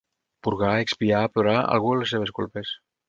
Purgar, expiar, plorar, algú les seves culpes.